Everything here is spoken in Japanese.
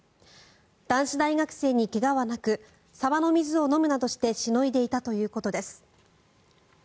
男子大学生に怪我はなく沢の水を飲むなどしてしのいでいたということです。